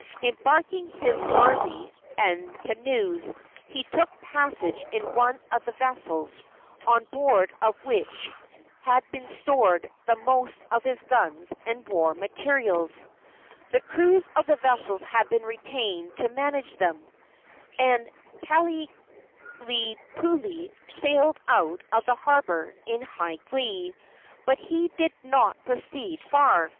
Embarking his army in canoes, he took passage in one of the vessels, on board of which had been stored the most of his guns and war materials. The crews of the vessels had been retained to manage them, and Kalanikupule sailed out of the harbor in high glee. But he did not proceed far.